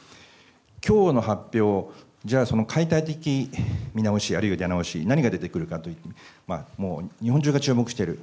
きょうの発表、じゃあその解体的見直し、あるいは出直し、何が出てくるかと、もう日本中が注目している。